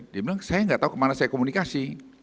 dia bilang saya nggak tahu kemana saya komunikasi